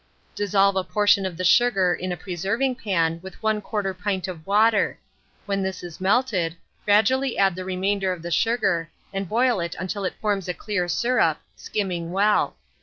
Dissolve a portion of the sugar in a preserving pan with 1/4 pint of water; when this is melted, gradually add the remainder of the sugar, and boil it until it forms a clear syrup, skimming well.